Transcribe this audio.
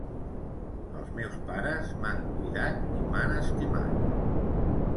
Els meus pares m'han cuidat i m'han estimat.